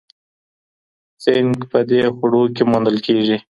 زینک په دې خواړو کې موندل کېږي: